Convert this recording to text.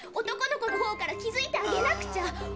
男の子のほうから気づいてあげなくちゃ。